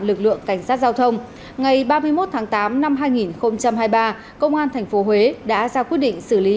lực lượng cảnh sát giao thông ngày ba mươi một tháng tám năm hai nghìn hai mươi ba công an tp huế đã ra quyết định xử lý